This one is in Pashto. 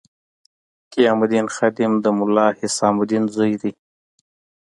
قیام الدین خادم د ملا حسام الدین زوی دی.